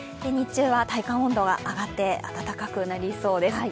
日中は体感温度が上がって暖かくなりそうです。